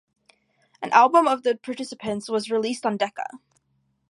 An album of the participants was released on Decca.